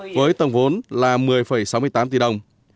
với tổng vốn là một mươi sáu mươi tám tỷ đồng